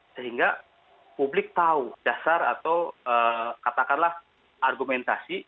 sehingga publik tahu dasar atau katakanlah argumentasi